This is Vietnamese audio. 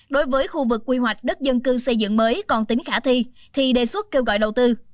đối với khu vực quy hoạch đất dân cư xây dựng mới còn tính khả thi thì đề xuất kêu gọi đầu tư